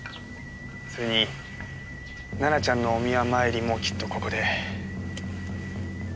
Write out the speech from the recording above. それに奈々ちゃんのお宮参りもきっとここで。